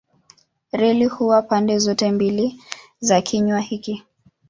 Reli huwa pande zote mbili za kinywa hiki.